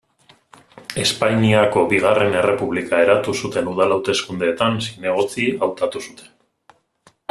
Espainiako Bigarren Errepublika eratu zuten udal-hauteskundeetan zinegotzi hautatu zuten.